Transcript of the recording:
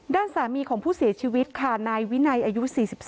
ด้านสามีของผู้เสียชีวิตค่ะนายวินัยอายุ๔๒